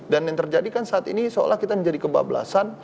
dan yang terjadi kan saat ini seolah kita menjadi kebablasan